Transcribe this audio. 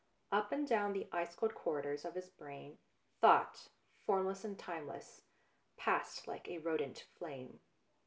Up and down the ice cold corridors of his brain, thought, formless and timeless, passed like a rodent flame.